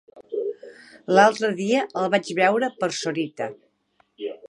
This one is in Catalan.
L'altre dia el vaig veure per Sorita.